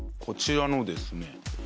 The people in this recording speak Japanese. こちらのですね